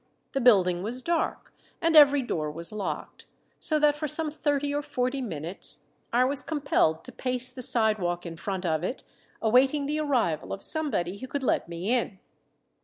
The building was dark, and every door was locked; so that for some thirty or forty minutes I was compelled to pace the sidewalk in front of it, awaiting the arrival of somebody who could let me in.